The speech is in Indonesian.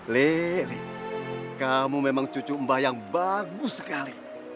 lili kamu memang cucu mbah yang bagus sekali